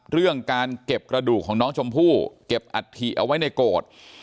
เรื่องการเก็บกระดูกของน้องชมพู่เก็บอัฐิเอาไว้ในโกรธ